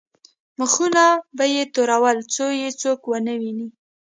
مخونه به یې تورول څو یې څوک ونه ویني.